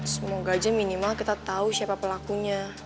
semoga aja minimal kita tahu siapa pelakunya